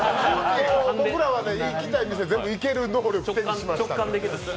僕らは行きたい店、全部行ける能力がありますので。